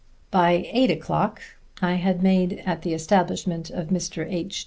By eight o'clock I had made at the establishment of Mr. H.